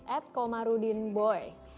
at komarudin boy